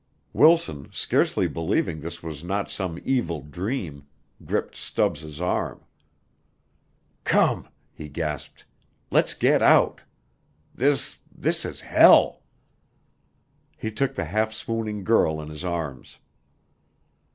Wilson, scarcely believing this was not some evil dream, gripped Stubbs' arm. "Come," he gasped. "Let's get out. This this is hell." He took the half swooning girl in his arms.